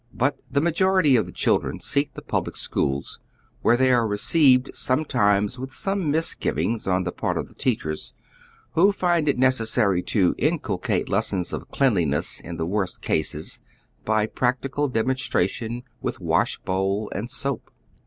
But the majority of the children seek the public bcIiooIs, where they are received sometimes with some misgivings on the part of the teachers, who find it necessary to inculcate lessons of cleanliness in the worst cases by practical dem onstration with wash bowl and soap.